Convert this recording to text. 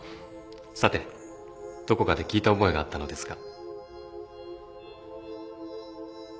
さてどこかで聞いた覚えがあったのですが。